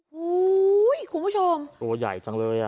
โอ้โหคุณผู้ชมตัวใหญ่จังเลยอ่ะ